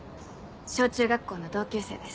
小中学校の同級生です。